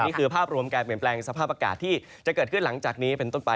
นี่คือภาพรวมการเปลี่ยนแปลงสภาพอากาศที่จะเกิดขึ้นหลังจากนี้เป็นต้นไป